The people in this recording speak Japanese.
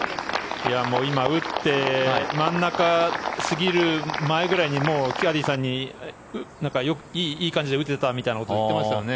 今、打って真ん中過ぎる前ぐらいにもう、キャディーさんにいい感じで打てたみたいなことを言っていましたね。